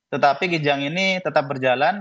tetapi kijang ini tetap berjalan